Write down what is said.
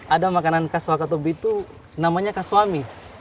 ada makanan khas wakatobi itu namanya khas suami